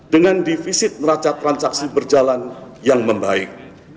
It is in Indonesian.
dengan divisit neraca transaksi berjalan yang membaik